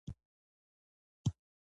تدارکات اصول لري